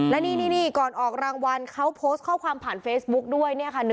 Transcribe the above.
และนี่ก่อนออกรางวัลเขาโพสต์ข้อความผ่านเฟซบุ๊กด้วย